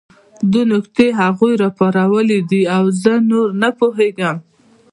دې نکتې هغوی راپارولي دي او زه نور نه پوهېږم